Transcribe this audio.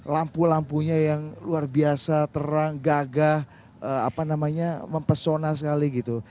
lampu lampunya yang luar biasa terang gagah apa namanya mempesona sekali gitu